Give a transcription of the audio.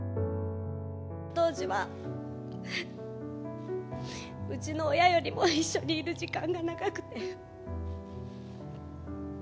当時は、うちの親よりも一緒にいる時間が長くて。